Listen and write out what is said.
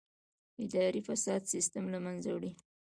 اداري فساد سیستم له منځه وړي.